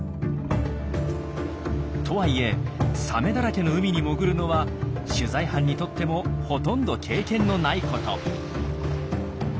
とはいえサメだらけの海に潜るのは取材班にとってもほとんど経験のないこと。